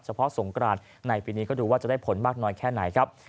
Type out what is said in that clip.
เพาสงกรานในปีนี้ก็ดูว่าจะได้ผลมากน้อยแค่ไหนครับ